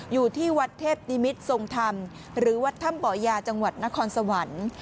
อยู่ที่วัดเทพนิมิตรทรงธรรมหรือวัดถ้ำบ่อยาจังหวัดนครสวรรค์